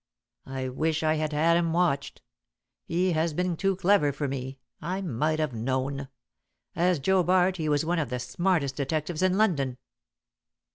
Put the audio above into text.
I wish I had had him watched. He has been too clever for me. I might have known. As Joe Bart he was one of the smartest detectives in London."